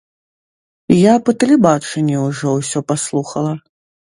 Я па тэлебачанні ўжо ўсё паслухала.